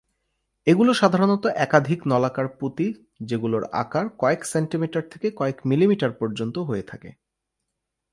এগুলো সাধারণত একাধিক নলাকার পুঁতি যেগুলোর আকার কয়েক সেন্টিমিটার থেকে কয়েক মিলিমিটার পর্যন্ত হয়ে থাকে।